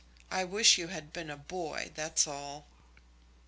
I wish you had been a boy, that's all."